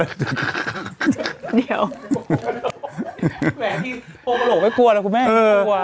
แหละที่โครกโกรกไม่กลัวนะคุณแม่